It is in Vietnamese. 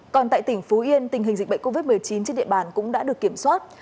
còn tại tỉnh phú yên tình hình dịch bệnh covid một mươi chín trên địa bàn cũng đã được kiểm soát